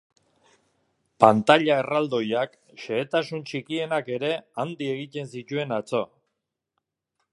Pantaila erraldoiak xehetasun txikienak ere handi egiten zituen atzo.